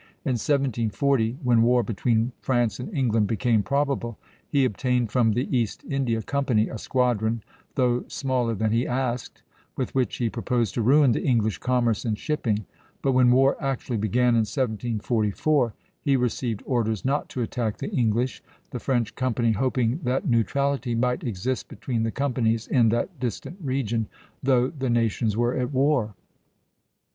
In 1740, when war between France and England became probable, he obtained from the East India Company a squadron, though smaller than he asked, with which he proposed to ruin the English commerce and shipping; but when war actually began in 1744, he received orders not to attack the English, the French company hoping that neutrality might exist between the companies in that distant region, though the nations were at war.